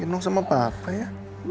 gendong sama papa ya